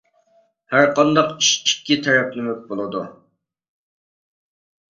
ھەر قانداق ئىش ئىككى تەرەپلىمىلىك بولىدۇ.